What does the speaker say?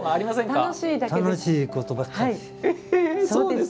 楽しいことばかりです。